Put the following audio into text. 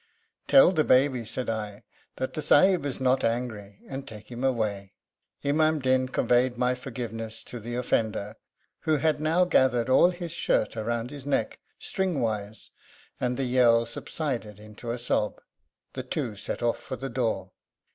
Tell the baby,' said I, 'that the Sahib is not angry, and take him away.' Imam Din conveyed my forgiveness to the offender, who had now gathered all his shirt round his neck, stringwise, and the yell subsided into a sob. The two set off for the door.